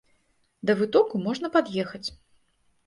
Да вытоку можна пад'ехаць.